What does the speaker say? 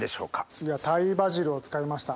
次はタイバジルを使いました。